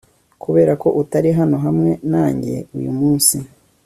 kuberako utari hano hamwe nanjye uyu munsi